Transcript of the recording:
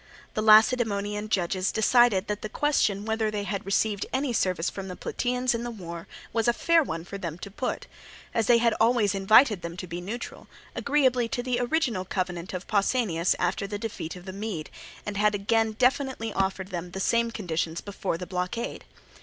The Lacedaemonian judges decided that the question whether they had received any service from the Plataeans in the war, was a fair one for them to put; as they had always invited them to be neutral, agreeably to the original covenant of Pausanias after the defeat of the Mede, and had again definitely offered them the same conditions before the blockade.